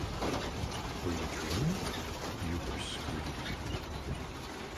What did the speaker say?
Were you dreaming? You were screaming.